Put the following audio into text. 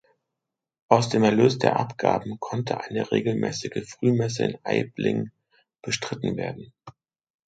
Aus dem Erlös der Abgaben konnte eine regelmäßige Frühmesse in Aibling bestritten werden.